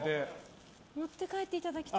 持って帰っていただきたい。